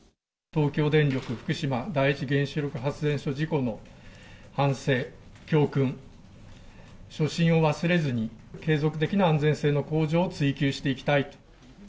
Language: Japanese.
東京電力福島第一原子力発電所事故の反省、教訓、初心を忘れずに、継続的な安全性の向上を追求していきたい。